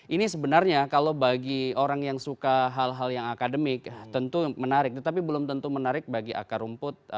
ini sebenarnya kalau bagi orang yang suka hal hal yang akademik tentu menarik tetapi belum tentu menarik bagi akar rumput